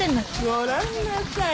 ご覧なさい